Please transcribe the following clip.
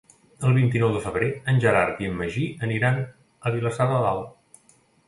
El vint-i-nou de febrer en Gerard i en Magí aniran a Vilassar de Dalt.